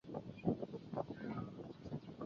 褐背柳是杨柳科柳属的植物。